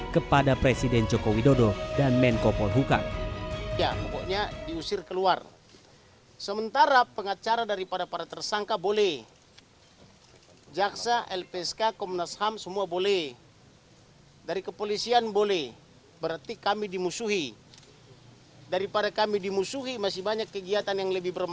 kepada presiden joko widodo dan menko polhuka